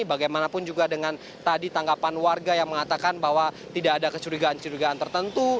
bagaimanapun juga dengan tadi tanggapan warga yang mengatakan bahwa tidak ada kecurigaan kecurigaan tertentu